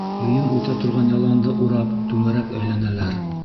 Йыйын үтә торған яланды урап түңәрәк әйләнәләр.